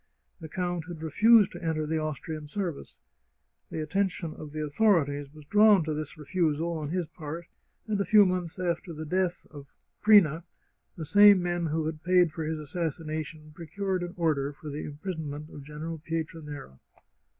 The count had refused to enter the Austrian service. The attention of the authorities was drawn to this refusal on his part, and a few months after the death of Prina the same men who had paid for his assassination procured an order for the imprisonment of General Pietranera.